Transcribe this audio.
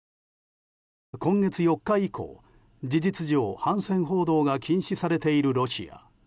今月４日以降事実上、反戦報道が禁止されているロシア。